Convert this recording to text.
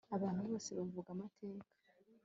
abantu bose bavuga amateka